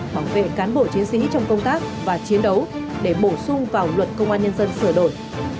bảo vệ cán bộ chiến sĩ trong công tác và chiến đấu để bổ sung vào luật công an nhân dân sửa đổi